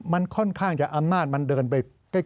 มันค่อนข้างจะอำนาจมันเดินไปใกล้